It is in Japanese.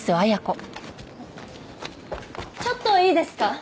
ちょっといいですか？